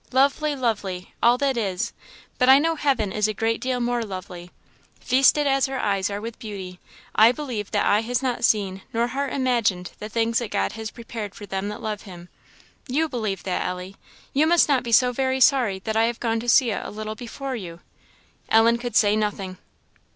Lovely, lovely! all that is; but I know heaven is a great deal more lovely. Feasted as our eyes are with beauty, I believe that eye has not seen nor heart imagined the things that God has prepared for them that love him. You believe that, Ellie; you must not be so very sorry that I have gone to see it a little before you." Ellen could say nothing.